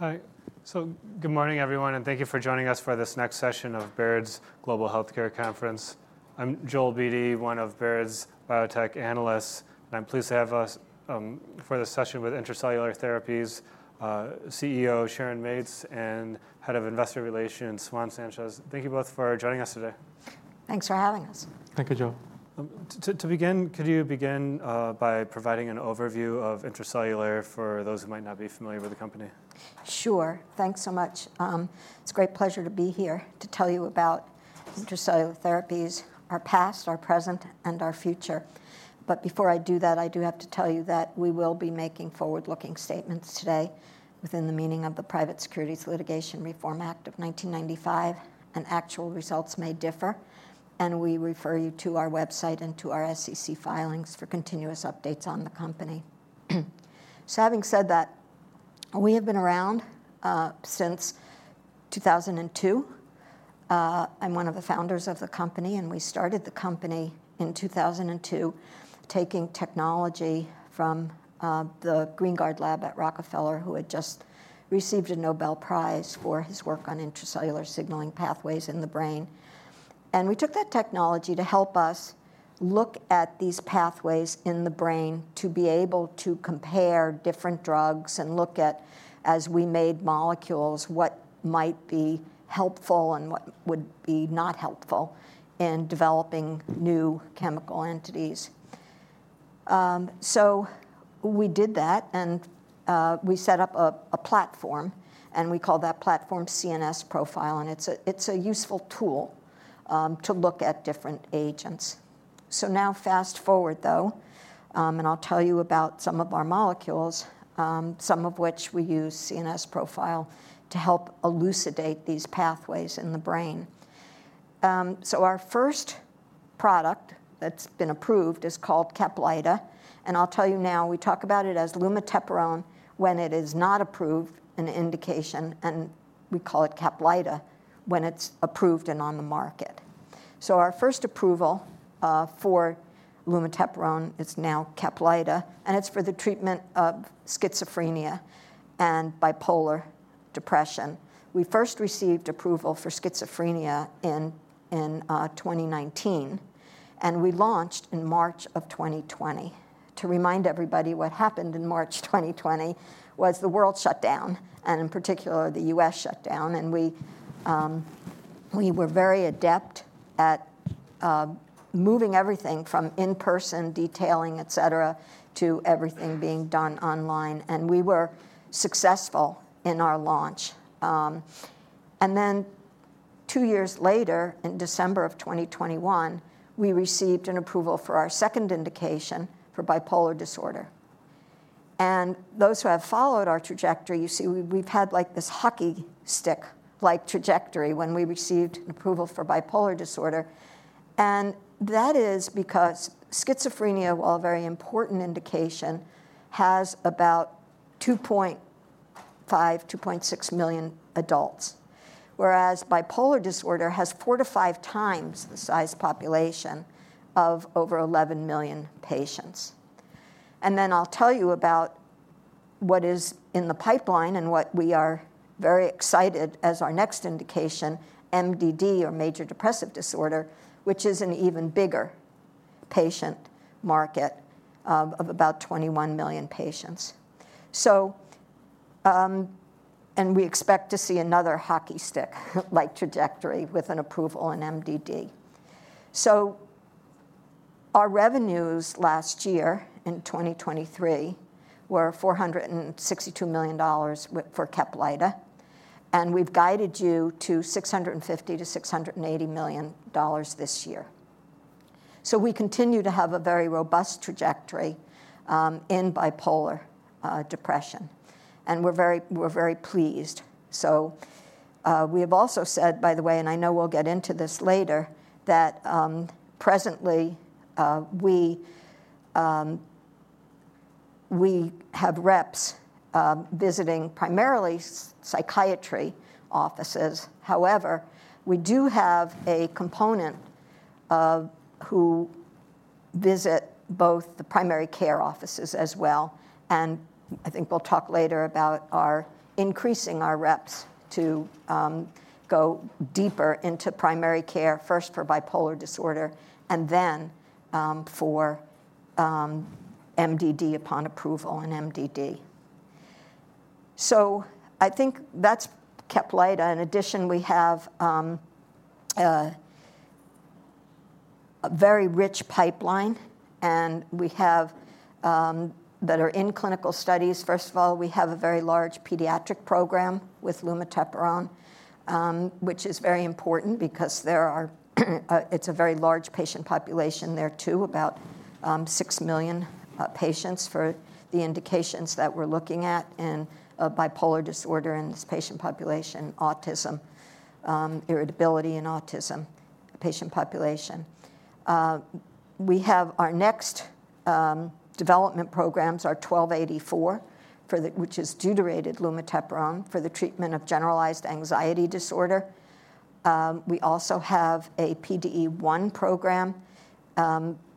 Hi. Good morning, everyone, and thank you for joining us for this next session of Baird's Global Healthcare Conference. I'm Joel Beatty, one of Baird's biotech analysts, and I'm pleased to have us for this session with Intra-Cellular Therapies CEO, Sharon Mates, and Head of Investor Relations, Juan Sanchez. Thank you both for joining us today. Thanks for having us. Thank you, Joel. To begin, could you begin by providing an overview of Intra-Cellular for those who might not be familiar with the company? Sure. Thanks so much. It's a great pleasure to be here to tell you about Intra-Cellular Therapies, our past, our present, and our future. But before I do that, I do have to tell you that we will be making forward-looking statements today within the meaning of the Private Securities Litigation Reform Act of 1995, and actual results may differ, and we refer you to our website and to our SEC filings for continuous updates on the company. So having said that, we have been around since 2002. I'm one of the founders of the company, and we started the company in 2002, taking technology from the Greengard lab at Rockefeller, who had just received a Nobel Prize for his work on intracellular signaling pathways in the brain. And we took that technology to help us look at these pathways in the brain, to be able to compare different drugs and look at, as we made molecules, what might be helpful and what would be not helpful in developing new chemical entities. So we did that, and we set up a platform, and we call that platform CNSProfile, and it's a useful tool to look at different agents. So now fast-forward, though, and I'll tell you about some of our molecules, some of which we use CNSProfile to help elucidate these pathways in the brain. So our first product that's been approved is called CAPLYTA, and I'll tell you now, we talk about it as lumateperone when it is not approved in indication, and we call it CAPLYTA when it's approved and on the market. So our first approval for lumateperone, it's now CAPLYTA, and it's for the treatment of schizophrenia and bipolar depression. We first received approval for schizophrenia in 2019, and we launched in March of 2020. To remind everybody, what happened in March 2020 was the world shut down, and in particular, the U.S. shut down, and we were very adept at moving everything from in-person detailing, et cetera, to everything being done online, and we were successful in our launch. And then two years later, in December of 2021, we received an approval for our second indication for bipolar disorder. And those who have followed our trajectory, you see we've had, like, this hockey stick-like trajectory when we received approval for bipolar disorder. That is because schizophrenia, while a very important indication, has about 2.5-2.6 million adults, whereas bipolar disorder has 4-5 times the size population of over 11 million patients. Then I'll tell you about what is in the pipeline and what we are very excited as our next indication, MDD, or major depressive disorder, which is an even bigger patient market of about 21 million patients. So. And we expect to see another hockey stick-like trajectory with an approval in MDD. So our revenues last year, in 2023, were $462 million for CAPLYTA, and we've guided you to $650 million-$680 million this year. So we continue to have a very robust trajectory in bipolar depression, and we're very pleased. So we have also said, by the way, and I know we'll get into this later, that presently we have reps visiting primarily psychiatry offices. However, we do have a component of who visit both the primary care offices as well, and I think we'll talk later about increasing our reps to go deeper into primary care, first for bipolar disorder, and then for MDD upon approval in MDD. So I think that's CAPLYTA. In addition, we have a very rich pipeline, and we have that are in clinical studies. First of all, we have a very large pediatric program with lumateperone, which is very important because there are, it's a very large patient population there, too, about six million patients for the indications that we're looking at in bipolar disorder in this patient population, autism, irritability and autism patient population. We have our next development programs are 1284, which is deuterated lumateperone, for the treatment of generalized anxiety disorder. We also have a PDE1 program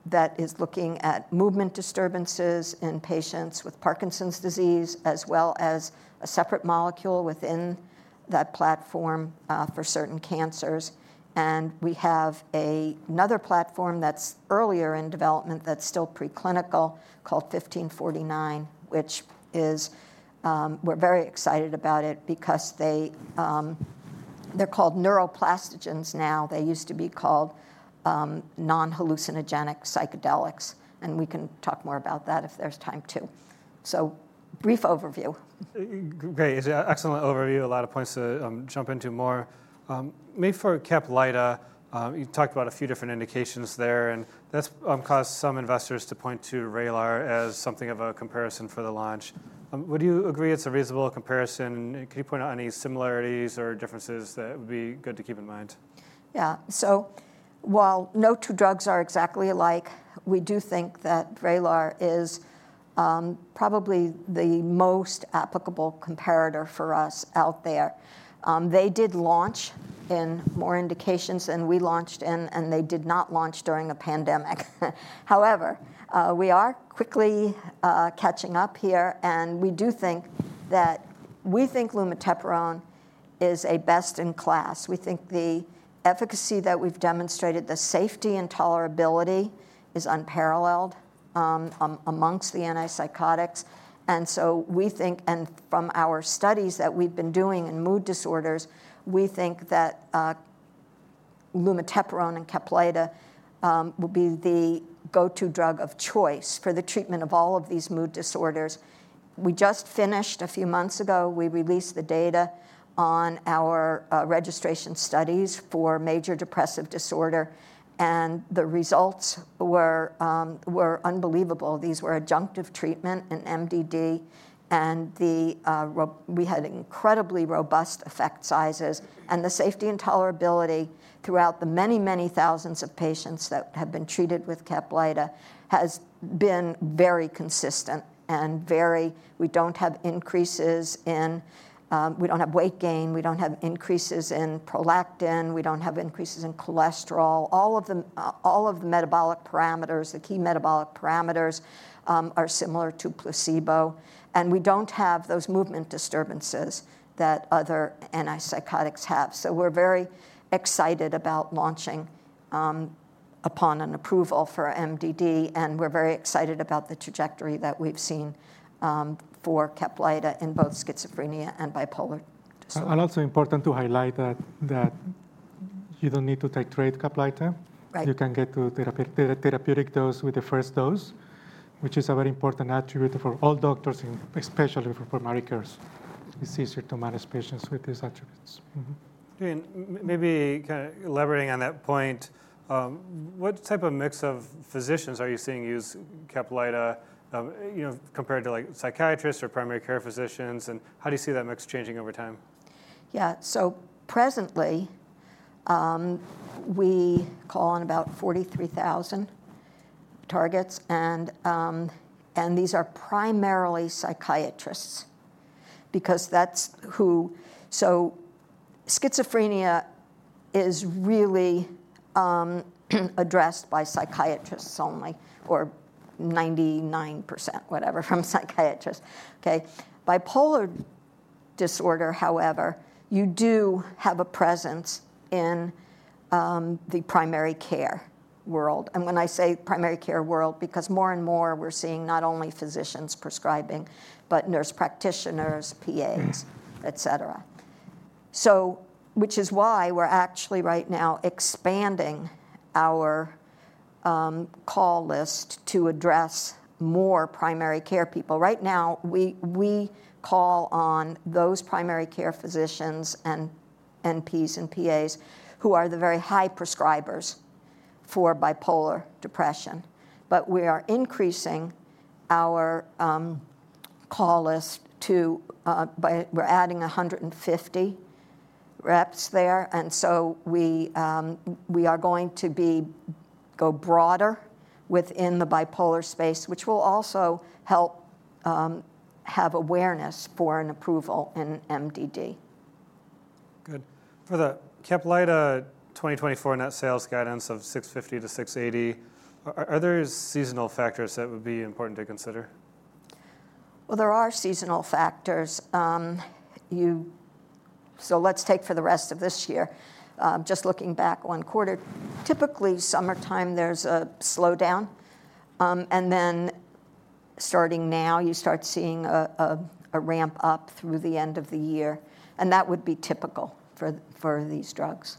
that is looking at movement disturbances in patients with Parkinson's disease, as well as a separate molecule within that platform for certain cancers. And we have another platform that's earlier in development that's still preclinical, called 1549, which is. We're very excited about it because they, they're called neuroplastogens now. They used to be called, non-hallucinogenic psychedelics, and we can talk more about that if there's time, too. So brief overview. Great. It's an excellent overview, a lot of points to jump into more. Maybe for CAPLYTA, you talked about a few different indications there, and that's caused some investors to point to Vraylar as something of a comparison for the launch. Would you agree it's a reasonable comparison? Can you point out any similarities or differences that would be good to keep in mind? Yeah. So while no two drugs are exactly alike, we do think that Vraylar is probably the most applicable comparator for us out there. They did launch in more indications than we launched in, and they did not launch during a pandemic. However, we are quickly catching up here, and we do think that we think lumateperone is best-in-class. We think the efficacy that we've demonstrated, the safety and tolerability, is unparalleled among the antipsychotics. And so we think, and from our studies that we've been doing in mood disorders, we think that lumateperone and CAPLYTA will be the go-to drug of choice for the treatment of all of these mood disorders. We just finished a few months ago, we released the data on our registration studies for major depressive disorder, and the results were unbelievable. These were adjunctive treatment in MDD, and we had incredibly robust effect sizes. And the safety and tolerability throughout the many, many thousands of patients that have been treated with CAPLYTA has been very consistent and very. We don't have increases in, we don't have weight gain, we don't have increases in prolactin, we don't have increases in cholesterol. All of the metabolic parameters, the key metabolic parameters, are similar to placebo, and we don't have those movement disturbances that other antipsychotics have. So we're very excited about launching, upon an approval for MDD, and we're very excited about the trajectory that we've seen, for CAPLYTA in both schizophrenia and bipolar disorder. Also important to highlight that you don't need to titrate CAPLYTA. Right. You can get to therapeutic dose with the first dose, which is a very important attribute for all doctors, and especially for primary cares. It's easier to manage patients with these attributes. Mm-hmm. Maybe kinda elaborating on that point, what type of mix of physicians are you seeing use CAPLYTA, you know, compared to, like, psychiatrists or primary care physicians, and how do you see that mix changing over time? Yeah. So presently, we call on about 43,000 targets, and these are primarily psychiatrists because that's who... So schizophrenia is really addressed by psychiatrists only, or 99%, whatever, from psychiatrists. Okay. Bipolar disorder, however, you do have a presence in the primary care world. And when I say primary care world, because more and more, we're seeing not only physicians prescribing, but nurse practitioners, PAs, et cetera, so which is why we're actually right now expanding our call list to address more primary care people. Right now, we call on those primary care physicians and NPs and PAs who are the very high prescribers for bipolar depression. But we are increasing our call list by adding 150 reps there, and so we are going to go broader within the bipolar space, which will also help have awareness for an approval in MDD. Good. For the CAPLYTA 2024 net sales guidance of $650 million-$680 million, are there seasonal factors that would be important to consider? There are seasonal factors. Let's take for the rest of this year, just looking back one quarter. Typically, summertime, there's a slowdown, and then starting now, you start seeing a ramp-up through the end of the year, and that would be typical for these drugs.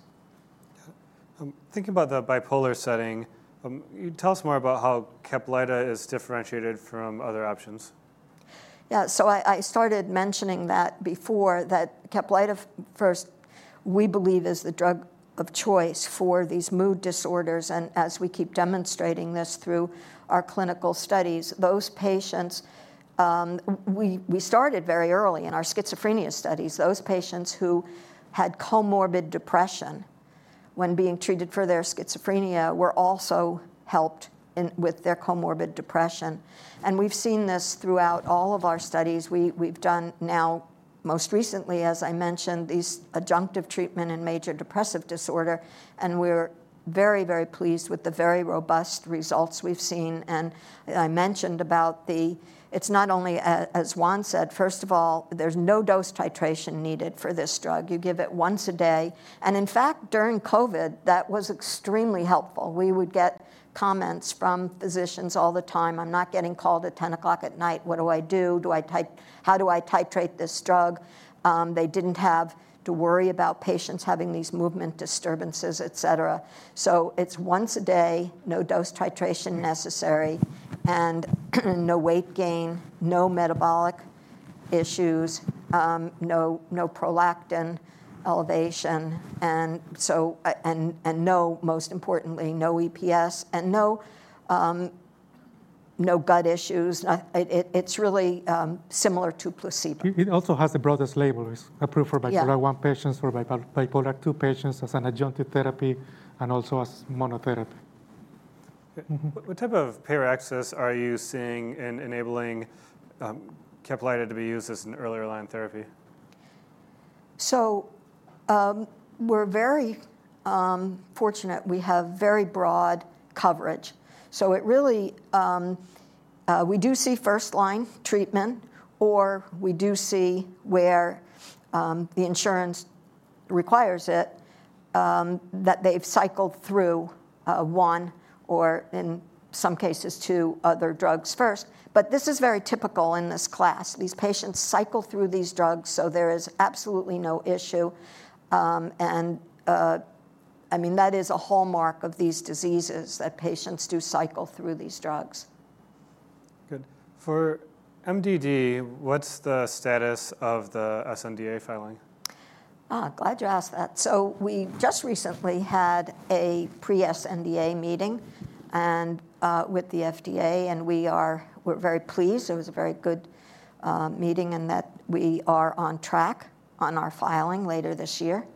Thinking about the bipolar setting, can you tell us more about how CAPLYTA is differentiated from other options? Yeah. So I started mentioning that before that CAPLYTA, first, we believe, is the drug of choice for these mood disorders, and as we keep demonstrating this through our clinical studies, those patients, we started very early in our schizophrenia studies, those patients who had comorbid depression when being treated for their schizophrenia were also helped with their comorbid depression. And we've seen this throughout all of our studies. We've done now, most recently, as I mentioned, these adjunctive treatment in major depressive disorder, and we're very, very pleased with the very robust results we've seen. And I mentioned about the it's not only, as Juan said, first of all, there's no dose titration needed for this drug. You give it once a day, and in fact, during COVID, that was extremely helpful. We would get comments from physicians all the time, "I'm not getting called at 10:00 P.M. What do I do? How do I titrate this drug?" They didn't have to worry about patients having these movement disturbances, et cetera. So it's once a day, no dose titration necessary, and no weight gain, no metabolic issues, no prolactin elevation, and so, and no, most importantly, no EPS, and no gut issues. It's really similar to placebo. It also has the broadest label. It's approved. Yeah For Bipolar I patients, for Bipolar II patients as an adjunctive therapy, and also as monotherapy. Mm-hmm. What type of payer access are you seeing in enabling CAPLYTA to be used as an earlier line therapy? We're very fortunate. We have very broad coverage, so it really. We do see first-line treatment, or we do see where the insurance requires it, that they've cycled through one or, in some cases, two other drugs first. But this is very typical in this class. These patients cycle through these drugs, so there is absolutely no issue. I mean, that is a hallmark of these diseases, that patients do cycle through these drugs. Good. For MDD, what's the status of the sNDA filing? Ah, glad you asked that. So we just recently had a pre-sNDA meeting, and with the FDA, and we're very pleased. It was a very good meeting, and that we are on track on our filing later this year,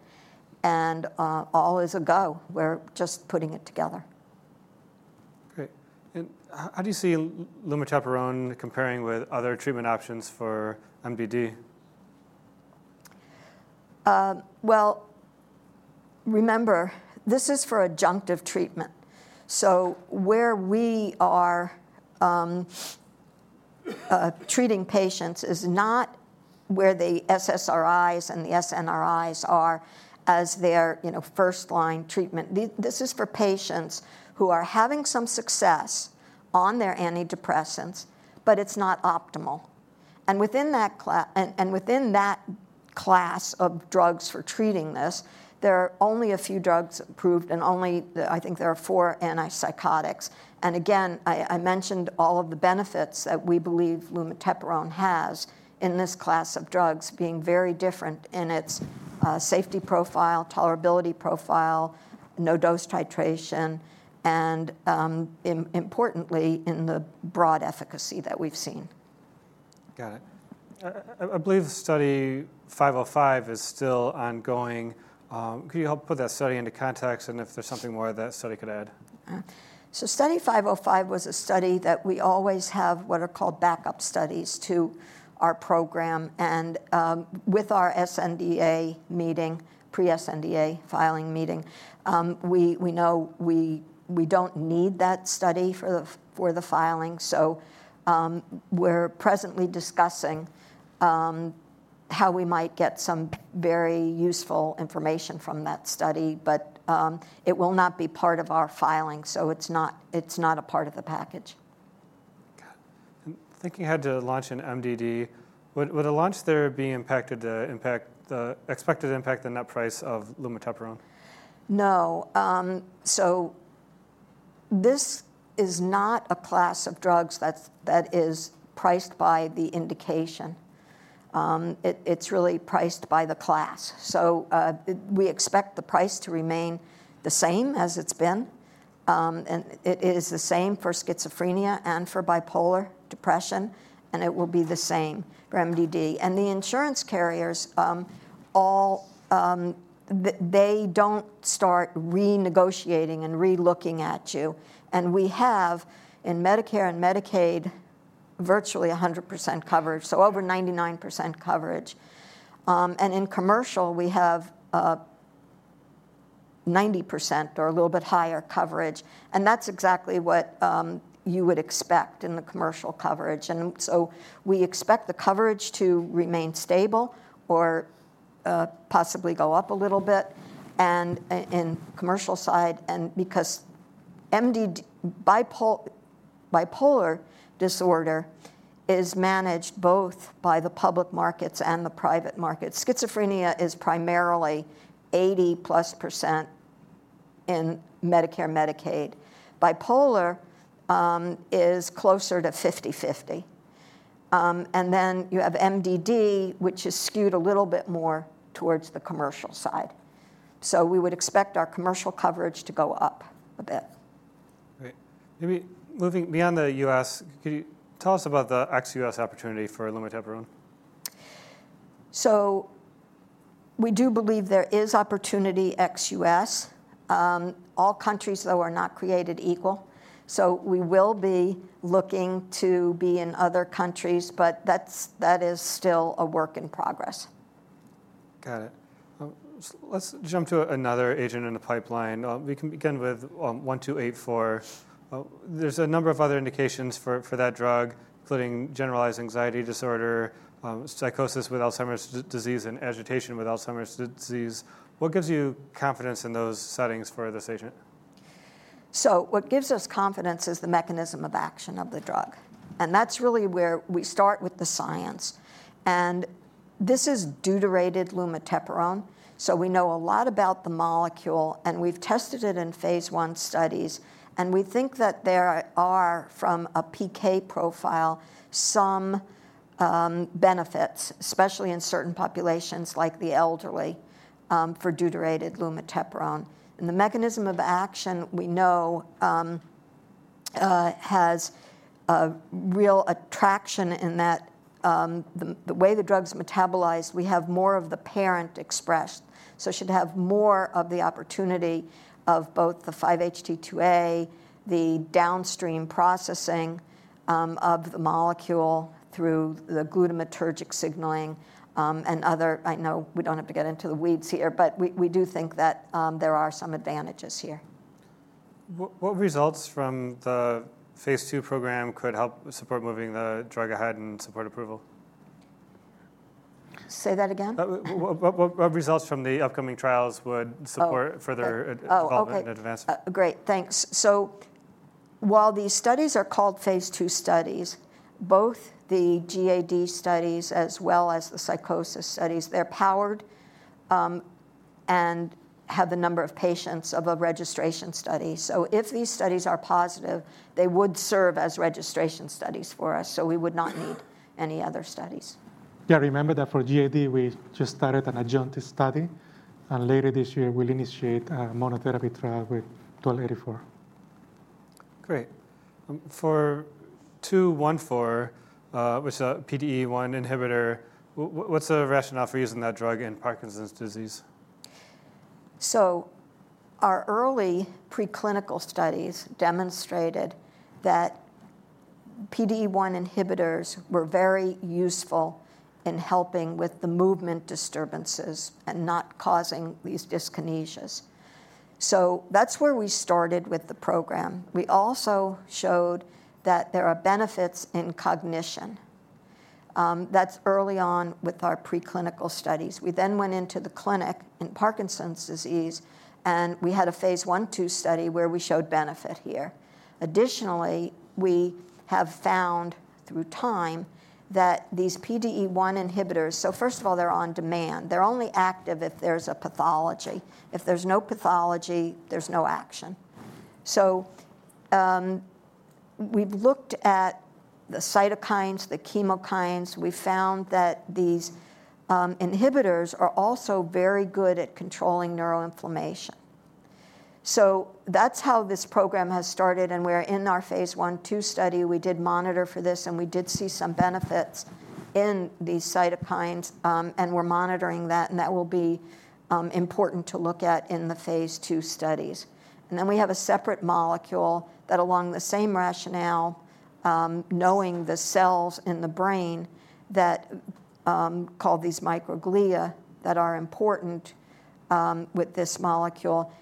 and all is a go. We're just putting it together. Great. And how do you see lumateperone comparing with other treatment options for MDD? Well, remember, this is for adjunctive treatment. So where we are treating patients is not where the SSRIs and the SNRIs are as their, you know, first-line treatment. This is for patients who are having some success on their antidepressants, but it's not optimal. And within that class of drugs for treating this, there are only a few drugs approved, and only the, I think there are four antipsychotics. And again, I mentioned all of the benefits that we believe lumateperone has in this class of drugs being very different in its safety profile, tolerability profile, no dose titration, and importantly, in the broad efficacy that we've seen. Got it. I believe Study 505 is still ongoing. Could you help put that study into context, and if there's something more that study could add? So, Study 505 was a study that we always have what are called backup studies to our program, and with our sNDA meeting, pre-sNDA filing meeting, we know we don't need that study for the filing. So, we're presently discussing how we might get some very useful information from that study, but it will not be part of our filing, so it's not a part of the package. Got it. I'm thinking you had to launch an MDD. Would a launch there be expected to impact the net price of lumateperone? No. So this is not a class of drugs that's, that is priced by the indication. It's really priced by the class. So, we expect the price to remain the same as it's been. And it is the same for schizophrenia and for bipolar depression, and it will be the same for MDD. And the insurance carriers, all. They don't start renegotiating and re-looking at you, and we have, in Medicare and Medicaid, virtually 100% coverage, so over 99% coverage. And in commercial, we have, 90% or a little bit higher coverage, and that's exactly what you would expect in the commercial coverage. And so we expect the coverage to remain stable or possibly go up a little bit, and in commercial side, and because MDD bipolar disorder is managed both by the public markets and the private markets. Schizophrenia is primarily 80+% in Medicare, Medicaid. Bipolar is closer to 50-50. And then you have MDD, which is skewed a little bit more towards the commercial side. So we would expect our commercial coverage to go up a bit. Great. Maybe moving beyond the U.S., could you tell us about the ex-U.S. opportunity for lumateperone? So we do believe there is opportunity ex-U.S. All countries, though, are not created equal, so we will be looking to be in other countries, but that's, that is still a work in progress. Got it. Let's jump to another agent in the pipeline. We can begin with 1284. There's a number of other indications for that drug, including generalized anxiety disorder, psychosis with Alzheimer's disease, and agitation with Alzheimer's disease. What gives you confidence in those settings for this agent? So what gives us confidence is the mechanism of action of the drug, and that's really where we start with the science, and this is deuterated lumateperone, so we know a lot about the molecule, and we've tested it in phase I studies, and we think that there are, from a PK profile, some benefits, especially in certain populations like the elderly for deuterated lumateperone. The mechanism of action, we know, has a real attraction in that, the way the drug's metabolized, we have more of the parent expressed, so should have more of the opportunity of both the 5-HT2A, the downstream processing, of the molecule through the glutamatergic signaling, and other. I know we don't have to get into the weeds here, but we do think that, there are some advantages here. What results from the phase II program could help support moving the drug ahead and support approval? Say that again? What results from the upcoming trials would. Oh. Support further. Oh, okay Development and advancement? Great, thanks. So while these studies are called phase II studies, both the GAD studies as well as the psychosis studies, they're powered, and have the number of patients of a registration study. So if these studies are positive, they would serve as registration studies for us, so we would not need any other studies. Yeah, remember that for GAD, we just started an adjunctive study, and later this year, we'll initiate a monotherapy trial with 1284. Great. For 214, which is a PDE1 inhibitor, what's the rationale for using that drug in Parkinson's disease? Our early preclinical studies demonstrated that PDE1 inhibitors were very useful in helping with the movement disturbances and not causing these dyskinesias. That's where we started with the program. We also showed that there are benefits in cognition. That's early on with our preclinical studies. We then went into the clinic in Parkinson's disease, and we had a phase I/II study where we showed benefit here. Additionally, we have found, through time, that these PDE1 inhibitors. First of all, they're on demand. They're only active if there's a pathology. If there's no pathology, there's no action. We've looked at the cytokines, the chemokines. We found that these inhibitors are also very good at controlling neuroinflammation. That's how this program has started, and we're in our phase I/II study. We did monitor for this, and we did see some benefits in these cytokines, and we're monitoring that, and that will be important to look at in the phase II studies. And then we have a separate molecule that, along the same rationale, knowing the cells in the brain that called these microglia, that are important with this molecule.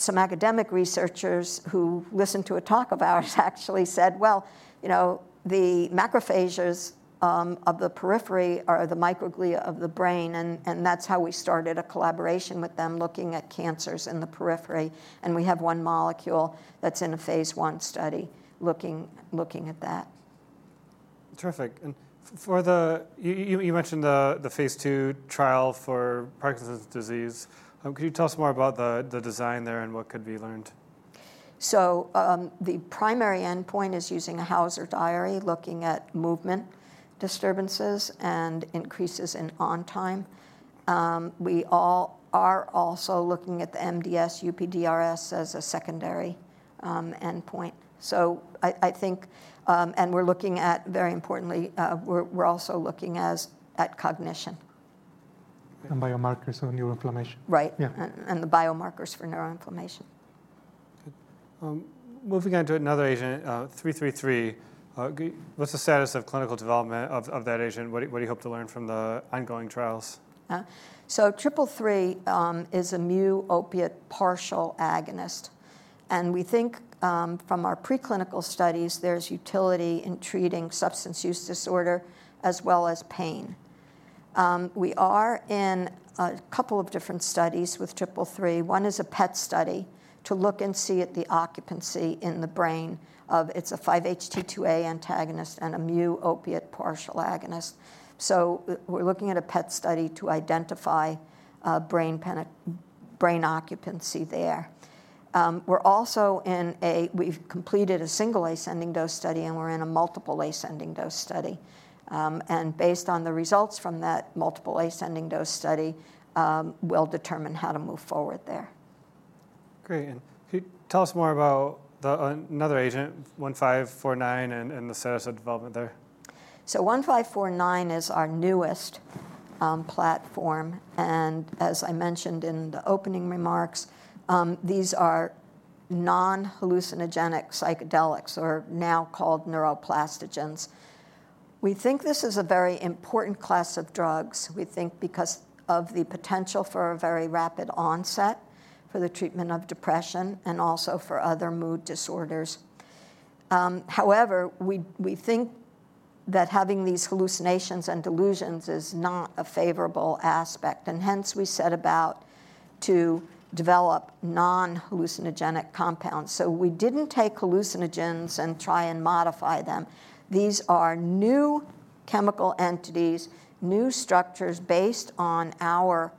Some academic researchers who listened to a talk of ours actually said, "Well, you know, the macrophages of the periphery are the microglia of the brain," and that's how we started a collaboration with them, looking at cancers in the periphery. And we have one molecule that's in a phase I study, looking at that. Terrific. And for the, you mentioned the phase II trial for Parkinson's disease. Could you tell us more about the design there and what could be learned? So, the primary endpoint is using a Hauser diary, looking at movement disturbances and increases in on time. We are also looking at the MDS-UPDRS as a secondary endpoint. So I think. And we're looking at, very importantly, we're also looking at cognition. Biomarkers of neuroinflammation. Right. Yeah. And the biomarkers for neuroinflammation. Good. Moving on to another agent, 333. What's the status of clinical development of that agent? What do you hope to learn from the ongoing trials? So 333 is a mu-opioid partial agonist, and we think from our preclinical studies, there's utility in treating substance use disorder as well as pain. We are in a couple of different studies with 333. One is a PET study to look and see at the occupancy in the brain. It's a 5-HT2A antagonist and a mu-opioid partial agonist. So we're looking at a PET study to identify brain occupancy there. We're also. We've completed a single-ascending dose study, and we're in a multiple-ascending dose study, and based on the results from that multiple-ascending dose study, we'll determine how to move forward there. Great, and can you tell us more about the another agent, 1549, and the status of development there? So, 1549 is our newest platform, and as I mentioned in the opening remarks, these are non-hallucinogenic psychedelics or now called neuroplastogens. We think this is a very important class of drugs, we think because of the potential for a very rapid onset, for the treatment of depression, and also for other mood disorders. However, we think that having these hallucinations and delusions is not a favorable aspect, and hence we set about to develop non-hallucinogenic compounds. So we didn't take hallucinogens and try and modify them. These are new chemical entities, new structures based on our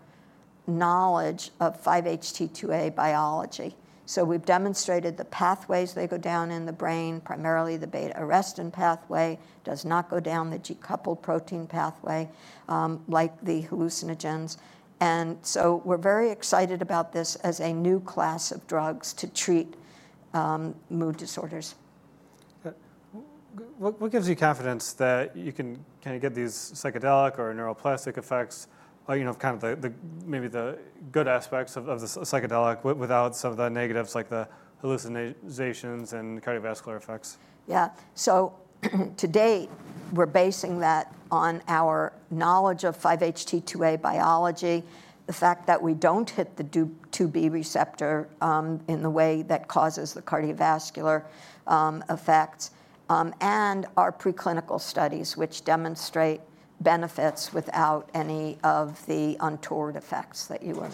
knowledge of 5-HT2A biology. So we've demonstrated the pathways they go down in the brain, primarily the beta-arrestin pathway, does not go down the G protein-coupled pathway, like the hallucinogens. And so we're very excited about this as a new class of drugs to treat mood disorders. What gives you confidence that you can kind of get these psychedelic or neuroplastic effects, or, you know, kind of the maybe good aspects of the psychedelic without some of the negatives, like the hallucinations and cardiovascular effects? Yeah. So, to date, we're basing that on our knowledge of 5-HT2A biology, the fact that we don't hit the 5-HT2B receptor in the way that causes the cardiovascular effects, and our preclinical studies, which demonstrate benefits without any of the untoward effects that you were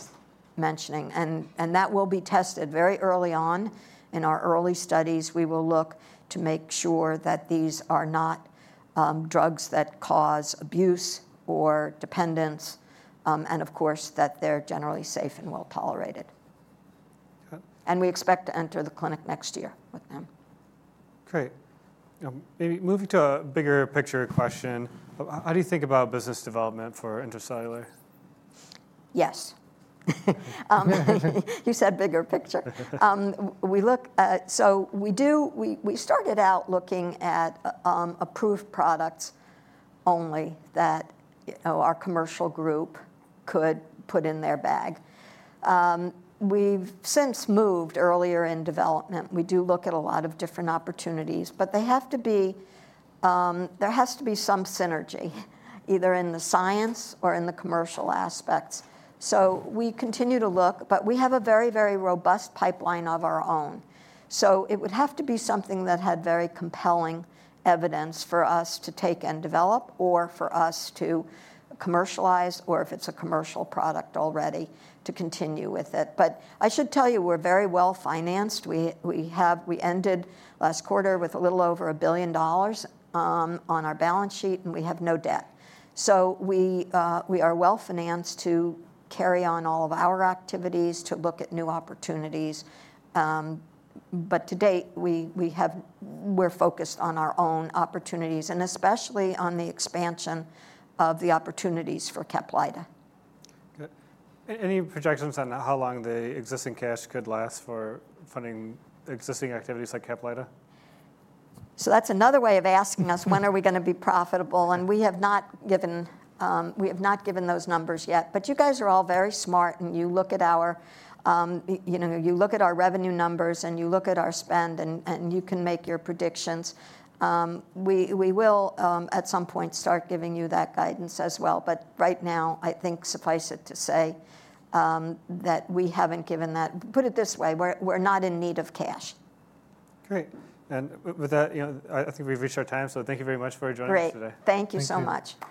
mentioning. And that will be tested very early on. In our early studies, we will look to make sure that these are not drugs that cause abuse or dependence, and of course, that they're generally safe and well-tolerated. Yeah. We expect to enter the clinic next year with them. Great. Maybe moving to a bigger picture question, how do you think about business development for Intra-Cellular? Yes. You said bigger picture. We look at, so we started out looking at approved products only that, you know, our commercial group could put in their bag. We've since moved earlier in development. We do look at a lot of different opportunities, but they have to be, there has to be some synergy, either in the science or in the commercial aspects. So we continue to look, but we have a very, very robust pipeline of our own. So it would have to be something that had very compelling evidence for us to take and develop, or for us to commercialize, or if it's a commercial product already, to continue with it. But I should tell you, we're very well-financed. We have ended last quarter with a little over $1 billion on our balance sheet, and we have no debt. So we are well-financed to carry on all of our activities, to look at new opportunities. But to date, we have we're focused on our own opportunities and especially on the expansion of the opportunities for CAPLYTA. Good. Any projections on how long the existing cash could last for funding existing activities like CAPLYTA? So that's another way of asking us when we are going to be profitable? We have not given those numbers yet. But you guys are all very smart, and you look at our, you know, you look at our revenue numbers, and you look at our spend, and you can make your predictions. We will at some point start giving you that guidance as well, but right now, I think suffice it to say that we haven't given that. Put it this way, we're not in need of cash. Great. And with that, you know, I think we've reached our time, so thank you very much for joining us today. Great. Thank you so much.